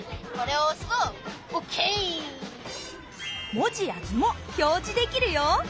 文字や図も表示できるよ。